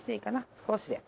少しで。